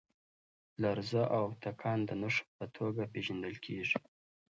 لرزه او تکان د نښو په توګه پېژندل کېږي.